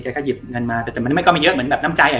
ก็หยิบเงินมาแต่มันก็ไม่เยอะเหมือนแบบน้ำใจอ่ะ